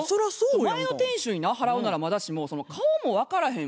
前の店主にな払うならまだしも顔も分からへん